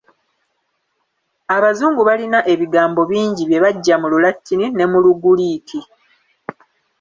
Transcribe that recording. Abazungu balina ebigambo bingi bye baggya mu Lulatini ne mu Luguliiki.